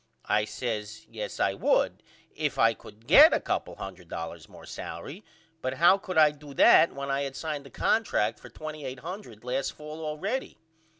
I says Yes I would if I could get a couple hundred dollars more salery but how could I do that when I had signed a contract for $2800 last fall allready?